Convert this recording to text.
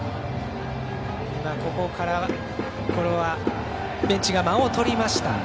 ここはベンチが間をとりました。